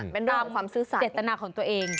เป็นเรื่องเจ็ดตนาของตัวเอง